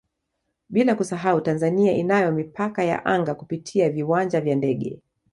Bila kusahau Tanzania inayo Mipaka ya Anga kupitia viwanja vya ndege